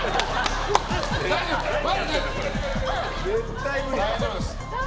絶対無理。